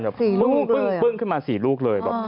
๔ลูกเลยปึ้งขึ้นมา๔ลูกเลย